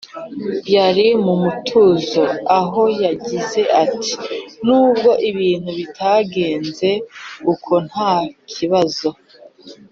yari mu mutuzo aho yagize ati “nubwo ibintu byagenze ukontakibazo